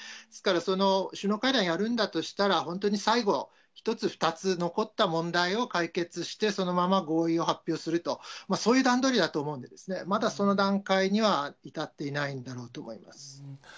ですから、その首脳会談やるんだとしたら、本当に最後、１つ、２つ残った問題を解決して、そのまま合意を発表すると、そういう段取りだと思うんで、まだ、その段階には至っていないんだろうと思います。